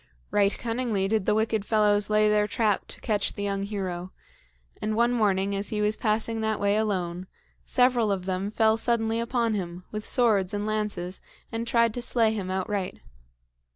Right cunningly did the wicked fellows lay their trap to catch the young hero; and one morning, as he was passing that way alone, several of them fell suddenly upon him, with swords and lances, and tried to slay him outright.